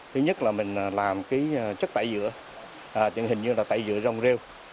thứ nhất là mình làm chất tẩy dữa hình như là tẩy dữa rong rêu